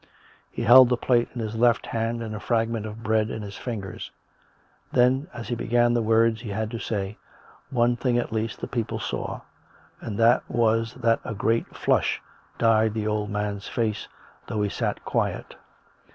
He held the plate in his left hand and a fragment of bread in his fingers. Then, as he began the words he had to say, one thing at least the people saw, and that was that a great flush dyed the old man's face, though he sat quiet.